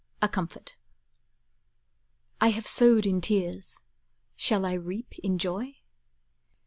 A COMFORT. TO S. R. H. I have sowed in tears, Shall I reap in joy?